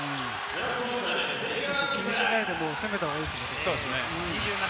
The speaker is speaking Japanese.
気にしないで攻めた方がいいですね。